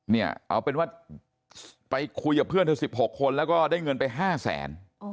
เนี่ยเอาเป็นว่าไปคุยกับเพื่อนเธอ๑๖คนแล้วก็ได้เงินไป๕แสน